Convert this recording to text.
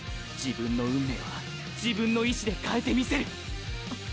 自分の運命は自分の意思で変えてみせる！